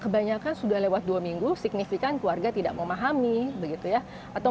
kebanyakan sudah lewat dua minggu signifikan keluarga tidak memahami begitu ya atau